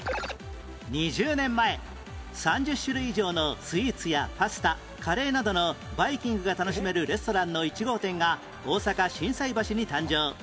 ２０年前３０種類以上のスイーツやパスタカレーなどのバイキングが楽しめるレストランの１号店が大阪心斎橋に誕生